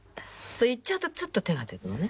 いっちゃうとツッと手が出るのね。